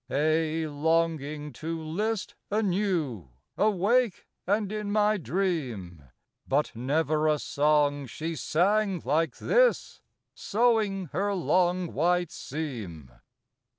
Aye longing to list anew, Awake and in my dream, But never a song she sang like this Sewing her long white seam.